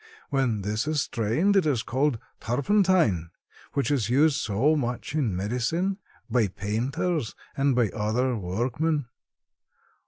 When this is strained it is called turpentine, which is used so much in medicine, by painters and by other workmen.